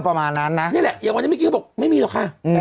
ประมาณนั้นนะนี่แหละอย่างวันนี้เมื่อกี้เขาบอกไม่มีหรอกค่ะ